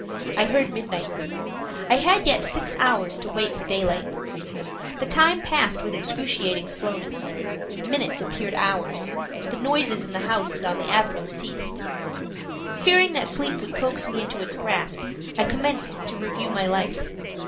I heard midnight. I had yet six hours to wait for daylight. The time passed with excruciating slowness. Minutes appeared hours. The noises in the house and on the avenue ceased. Fearing that sleep would coax me into its grasp, I commenced to review my life.